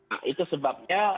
nah itu sebabnya